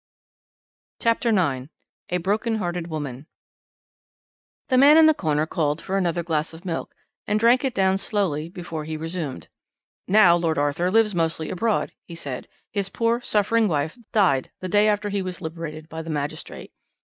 CHAPTER IX A BROKEN HEARTED WOMAN The man in the corner called for another glass of milk, and drank it down slowly before he resumed: "Now Lord Arthur lives mostly abroad," he said. "His poor, suffering wife died the day after he was liberated by the magistrate.